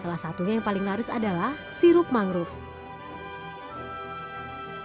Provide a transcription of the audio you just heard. salah satunya yang paling laris adalah sirup mangrove